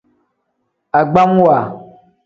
Agbamwa.